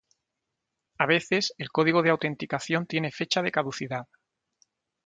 A veces, el código de autenticación tiene fecha de caducidad.